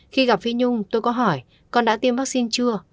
khi gặp phi nhung tôi có hỏi con đã tiêm vaccine chưa